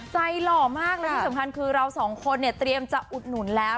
หล่อมากและที่สำคัญคือเราสองคนเนี่ยเตรียมจะอุดหนุนแล้ว